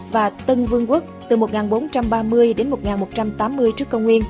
và tân vương quốc